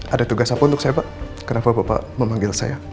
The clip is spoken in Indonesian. ada tugas apa untuk saya pak kenapa bapak memanggil saya